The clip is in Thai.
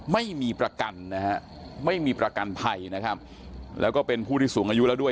ไม่มีประกันนะฮะไม่มีประกันภัยนะครับแล้วก็เป็นผู้ที่สูงอายุแล้วด้วย